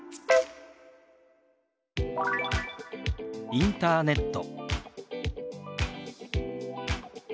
「インターネット」。